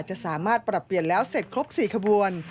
จะสามารถปรับเปลี่ยนแล้วเสร็จครบ๔ขบวน